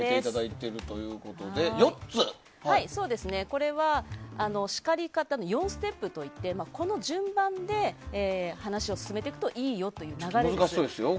これは、叱り方の４ステップといってこの順番で話を進めていくといいよという流れです。